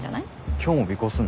今日も尾行するの？